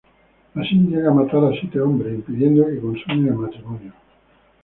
Así llega a matar a siete hombres, impidiendo que consumen el matrimonio.